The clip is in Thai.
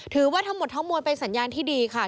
ถือว่าทั้งหมดทั้งมั่วเป็นสัญญาณที่ดีค่ะ